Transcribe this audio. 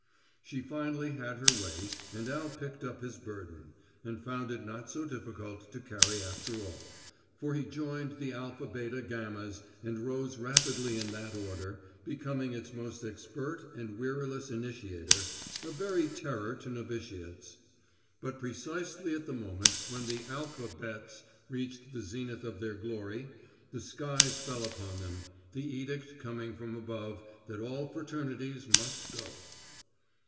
She finally had her way and Al picked up his burden and found it not so difficult to carry after all. For he joined the Alpha Beta Gammas and rose rapidly in that order, becoming its most expert and weariless initiator, a very terror to novitiates. But precisely at the moment when the Alpha Bets reached the zenith of their glory, the skies fell upon them the edict coming from above that all fraternities must go.